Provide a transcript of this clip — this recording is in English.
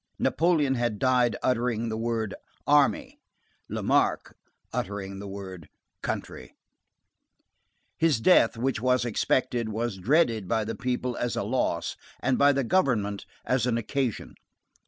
Napoleon had died uttering the word army, Lamarque uttering the word country. His death, which was expected, was dreaded by the people as a loss, and by the government as an occasion.